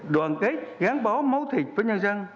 đoàn kết gắn bó máu thịt với nhân dân